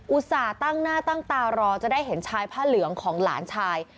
ตั้งหน้าตั้งตารอจะได้เห็นชายผ้าเหลืองของหลานชาย